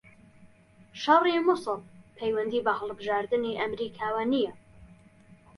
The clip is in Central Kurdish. شەڕی موسڵ پەیوەندی بە هەڵبژاردنی ئەمریکاوە نییە